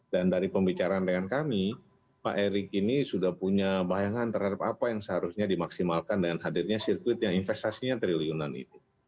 dan dari pembicaraan dengan kami pak erick ini sudah punya bayangan terhadap apa yang seharusnya dimaksimalkan dengan hadirnya sirkuit yang investasinya triliunan itu